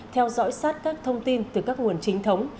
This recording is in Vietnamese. theo dõi sát các thông tin từ các nguồn chính thống